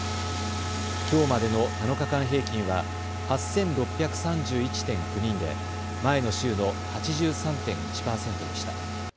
きょうまでの７日間平均は８６３１．９人で前の週の８３．１％でした。